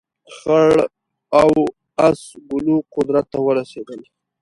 خړ او اس ګلو قدرت ته ورسېدل.